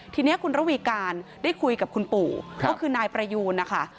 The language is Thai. ทีนี้คุณระวีการได้คุยกับคุณปู่ก็คือนายประยูนนะคะ